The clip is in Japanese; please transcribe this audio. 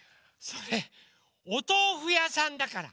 それおとうふやさんだから！